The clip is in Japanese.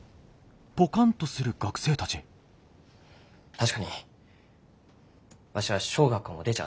確かにわしは小学校も出ちゃあせん。